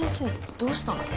どうしたの？